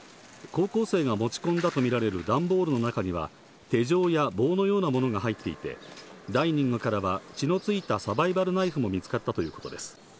高校生が持ち込んだとみられる段ボールの中には手錠や棒のようなものが入っていて、ダイニングからは血のついたサバイバルナイフも見つかったということです。